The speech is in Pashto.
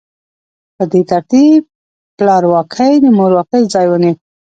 په دې ترتیب پلارواکۍ د مورواکۍ ځای ونیو.